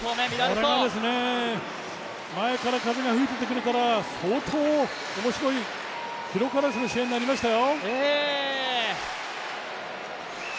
これがですね、前から風が吹いてくるから、相当面白い記録争いの試合になりましたよ。